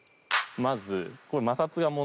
まず。